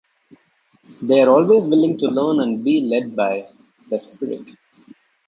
They are always willing to learn and be led by "The Spirit".